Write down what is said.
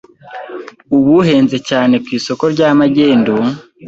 ubu uhenze cyane ku isoko rya magendu